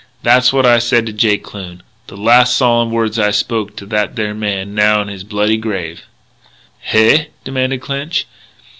That's what I said to Jake Kloon, the last solemn words I spoke to that there man now in his bloody grave " "Hey?" demanded Clinch.